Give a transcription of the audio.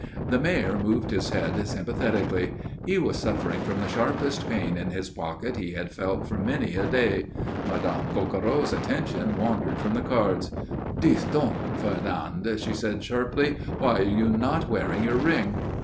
The Mayor moved his head sympathetically. He was suffering from the sharpest pain in his pocket he had felt for many a day. Madame Coquereau's attention wandered from the cards. "Dis donc, Fernand," she said sharply. "Why are you not wearing your ring?"